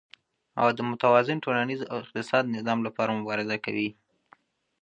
او د متوازن ټولنيز او اقتصادي نظام لپاره مبارزه کوي،